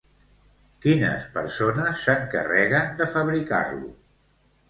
Quines persones s'encarreguen de fabricar-lo?